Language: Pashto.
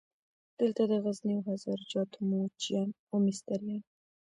دلته د غزني او هزاره جاتو موچیان او مستریان.